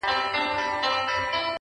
دا وزن دروند اُمي مُلا مات کړي،